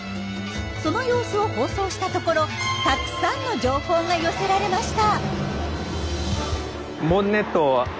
その様子を放送したところたくさんの情報が寄せられました。